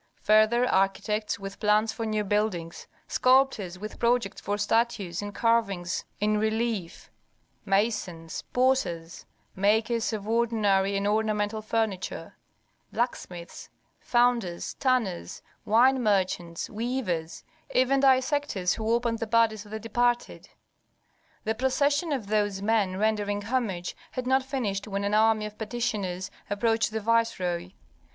Further, architects with plans for new buildings, sculptors with projects for statues and carvings in relief, masons, potters, makers of ordinary and ornamental furniture, blacksmiths, founders, tanners, wine merchants, weavers, even dissectors who opened the bodies of the departed. The procession of those men rendering homage had not finished when an army of petitioners approached the viceroy.